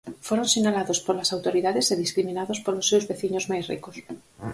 Foron sinalados polas autoridades e discriminados polos seus veciños máis ricos.